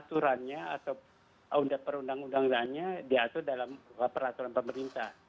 aturannya atau perundang undangannya diatur dalam peraturan pemerintah